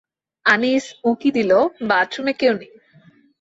আনিস উঁকি দিল বাথরুমে-কেউ নেই।